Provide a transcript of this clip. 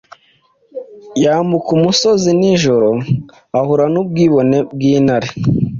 yambuka umusozi nijoro ahura nubwibone bwintare